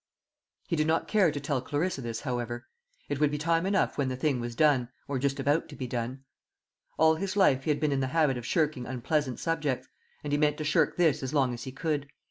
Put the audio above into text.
He did not care to tell Clarissa this, however. It would be time enough when the thing was done, or just about to be done. All his life he had been in the habit of shirking unpleasant subjects, and he meant to shirk this as long as he could.